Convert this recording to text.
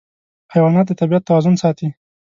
حیوانات د طبیعت توازن ساتي.